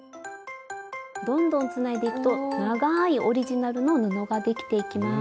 どんどんつないでいくとながいオリジナルの布ができていきます。